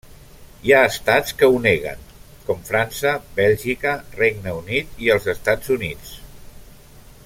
Hi ha estats que ho neguen, com França, Bèlgica, Regne Unit i els Estats Units.